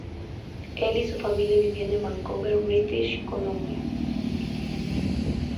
El y su familia vivían en Vancouver, British Columbia.